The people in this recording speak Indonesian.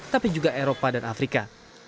tapi juga eropa dan afrika